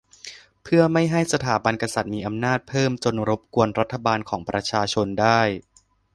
เพื่อไม่ให้สถาบันกษัตริย์มีอำนาจเพิ่มจนรบกวนรัฐบาลของประชาชนได้